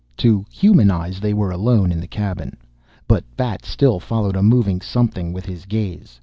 To human eyes they were alone in the cabin. But Bat still followed a moving something with his gaze.